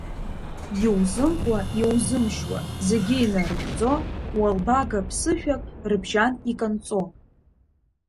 Иузымкуа-иузымшьуа, зегьы инарыхьӡо, уалбага ԥсышәак рыбжьан иканҵо…